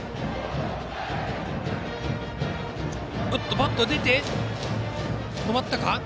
バットが出ているが止まったか。